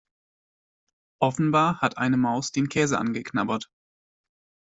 Offenbar hat eine Maus den Käse angeknabbert.